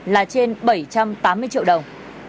là trên bảy trăm tám mươi triệu đồng